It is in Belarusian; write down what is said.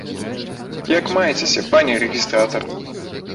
Як маецеся, пане рэгістратар?